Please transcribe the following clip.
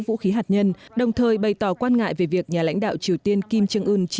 vũ khí hạt nhân đồng thời bày tỏ quan ngại về việc nhà lãnh đạo triều tiên kim trương ưn chỉ